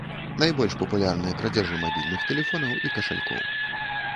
Найбольш папулярныя крадзяжы мабільных тэлефонаў і кашалькоў.